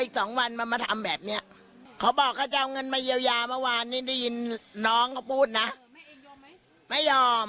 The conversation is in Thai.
ก็คือไม่รับเงินตรงนี้